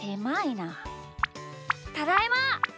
ただいま！